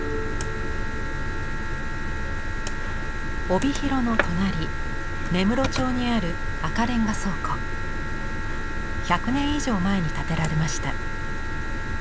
帯広の隣芽室町にある１００年以上前に建てられました。